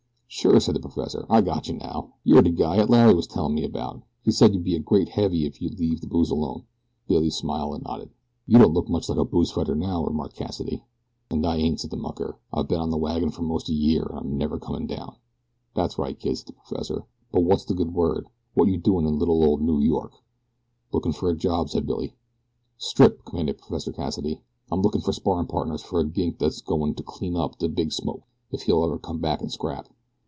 "Sure," said the professor; "I gotcha now. You're de guy 'at Larry was a tellin' me about. He said you'd be a great heavy if you'd leave de booze alone." Billy smiled and nodded. "You don't look much like a booze fighter now," remarked Cassidy. "And I ain't," said the mucker. "I've been on the wagon for most a year, and I'm never comin' down." "That's right, kid," said the professor; "but wots the good word? Wot you doin' in little ol' Noo York?" "Lookin' for a job," said Billy. "Strip!" commanded Professor Cassidy. "I'm lookin' for sparrin' partners for a gink dat's goin' to clean up de Big Smoke if he'll ever come back an' scrap."